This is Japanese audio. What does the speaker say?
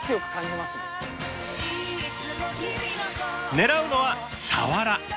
狙うのはサワラ。